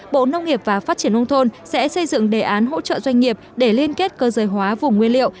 bộ nông nghiệp và phát triển nông thôn sẽ xây dựng đề án hỗ trợ doanh nghiệp để liên kết cơ giới hóa vùng nguyên liệu